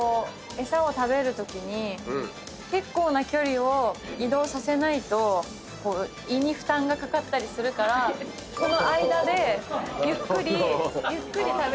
餌を食べるときに結構な距離を移動させないと胃に負担がかかったりするからこの間でゆっくりゆっくり食べる。